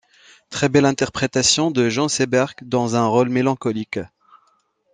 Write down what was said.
Très belle interprétation de Jean Seberg dans un rôle mélancolique.